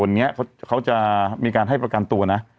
วันนี้เขาจะมีการให้ประกันตัวนะ